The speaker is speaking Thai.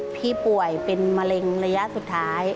ป่วยเป็นมะเร็งระยะสุดท้าย